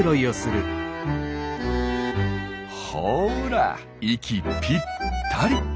ほら息ぴったり！